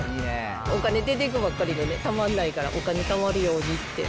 お金出ていくばっかりでたまらないから、お金たまるようにって。